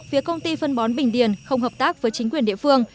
phía công ty phân bón bình điền không hợp tác với chính quyền địa phương